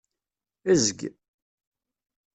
Ezg.